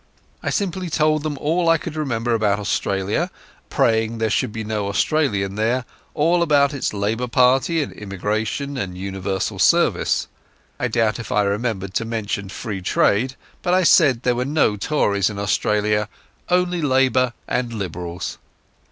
I simply told them all I could remember about Australia, praying there should be no Australian there—all about its labour party and emigration and universal service. I doubt if I remembered to mention Free Trade, but I said there were no Tories in Australia, only Labour and Liberals.